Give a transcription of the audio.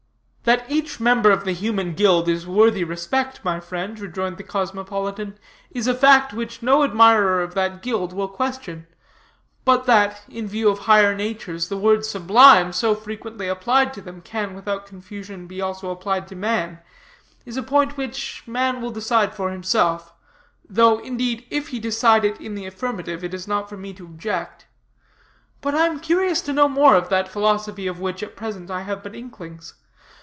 "That each member of the human guild is worthy respect my friend," rejoined the cosmopolitan, "is a fact which no admirer of that guild will question; but that, in view of higher natures, the word sublime, so frequently applied to them, can, without confusion, be also applied to man, is a point which man will decide for himself; though, indeed, if he decide it in the affirmative, it is not for me to object. But I am curious to know more of that philosophy of which, at present, I have but inklings.